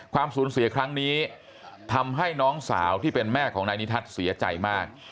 ความสูญเสียครั้งนี้ทำให้น้องสาวที่เป็นแม่ของนายนิทัศน์เสียใจมาก